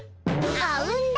あうんだ！